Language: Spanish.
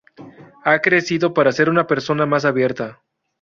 He crecido para ser una persona más abierta.